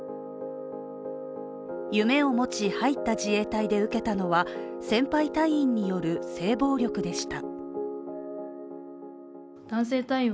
夢を持ち入った自衛隊で受けたのは先輩隊員による性暴力でした。